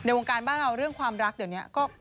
วงการบ้านเราเรื่องความรักเดี๋ยวนี้ก็